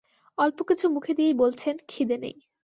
অল্প কিছু মুখে দিয়েই বলছেন, খিদে নেই।